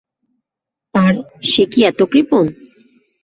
আর, সে কি এত কৃপণ।